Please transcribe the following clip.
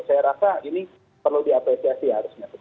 saya rasa ini perlu diapresiasi harusnya